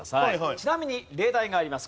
ちなみに例題があります。